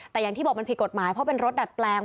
แต่อย่างที่บอกมันผิดกฎหมายเพราะเป็นรถดัดแปลง